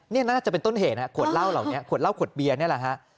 นี่น่าจะเป็นต้นเหตุฮะขวดเหล้าเหล่านี้ขวดเหล้าขวดเบียร์นี่แหละฮะ